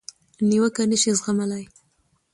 نیوکه نشي زغملای.